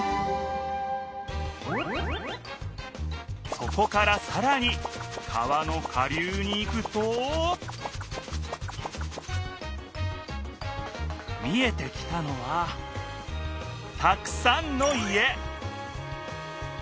そこからさらに川の下流に行くと見えてきたのはたくさんの家！